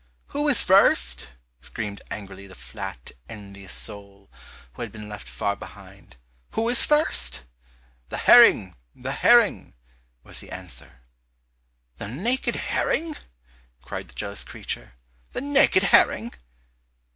"Who is first?" screamed angrily the flat envious sole, who had been left far behind, "who is first?" "The herring! The herring," was the answer. "The naked herring?" cried the jealous creature, "the naked herring?"